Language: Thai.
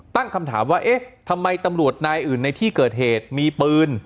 ตั้งคำถามว่าเอ๊ะทำไมตำรวจนายอื่นในที่เกิดเหตุมีปืน